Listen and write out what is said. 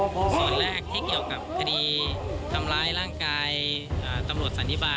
โปรดติดตามตอนต่อไป